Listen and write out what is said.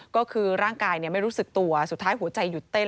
ก็คือร่างกายไม่รู้สึกตัวสุดท้ายหัวใจหยุดเต้น